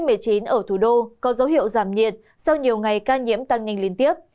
covid một mươi chín ở thủ đô có dấu hiệu giảm nhiệt sau nhiều ngày ca nhiễm tăng nhanh liên tiếp